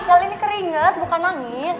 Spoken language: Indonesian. shell ini keringat bukan nangis